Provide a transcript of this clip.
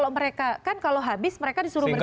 kan kalau habis mereka disuruh bergeser